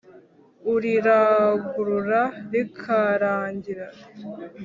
Urirangurura rikarangira